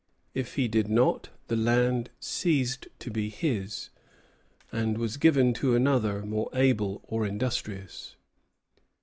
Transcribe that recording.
If he did not, the land ceased to be his, and was given to another more able or industrious.